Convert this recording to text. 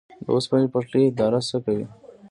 د اوسپنې پټلۍ اداره څه کوي؟